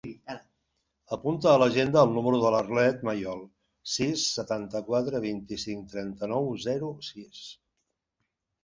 Apunta a l'agenda el número de l'Arlet Mayol: sis, setanta-quatre, vint-i-cinc, trenta-nou, zero, sis.